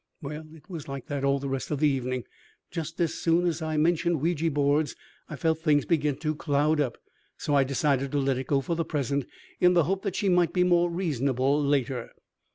Well, it was like that all the rest of the evening. Just as soon as I mentioned Ouija boards I felt things begin to cloud up; so I decided to let it go for the present, in the hope that she might be more reasonable later.